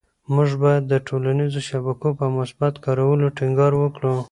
موږ باید د ټولنيزو شبکو په مثبت کارولو ټینګار وکړو.